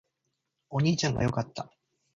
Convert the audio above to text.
お兄ちゃんが良かった